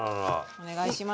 お願いします。